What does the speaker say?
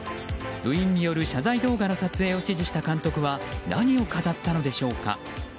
部員による謝罪動画の撮影を指示した監督は何を語ったのでしょうか。